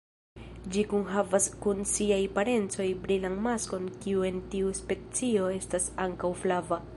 Ĝi kunhavas kun siaj parencoj brilan maskon kiu en tiu specio estas ankaŭ flava.